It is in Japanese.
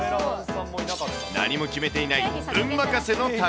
何も決めていない運任せの旅。